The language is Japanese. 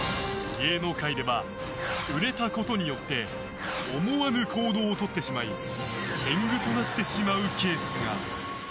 芸能界では売れたことによって思わぬ行動をとってしまい天狗となってしまうケースが。